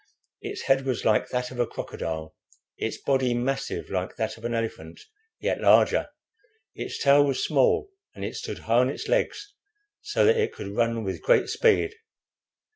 Its head was like that of a crocodile, its body massive like that of an elephant, yet larger; its tail was small, and it stood high on its legs, so that it could run with great speed.